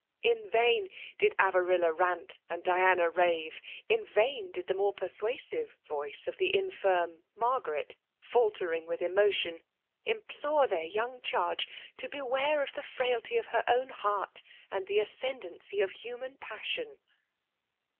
In vain did Avarilla rant and Diana rave ; in vain did the more persuasive voice of the infirm Margaret, falter ing with cinotion, implore their young charge to beware of the frailty of her own heart, and the ascendency of human passion.